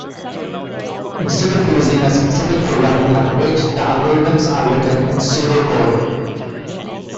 Instead of using a specific programming language, the algorithms are written in Pseudocode.